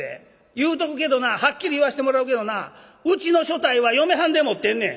言うとくけどなはっきり言わしてもらうけどなうちの所帯は嫁はんでもってんねん！」。